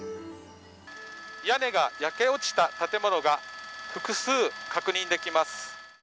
屋根が焼け落ちた建物が複数確認できます。